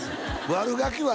悪ガキ悪